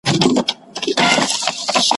هم غښتلی ښکرور وو تر سیالانو ,